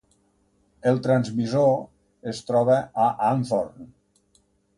El transmissor es troba a Anthorn.